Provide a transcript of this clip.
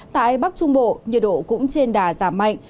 tại bắc trung bộ nhiệt độ cũng trên đà giảm mạnh